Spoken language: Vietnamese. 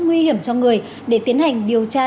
nguy hiểm cho người để tiến hành điều tra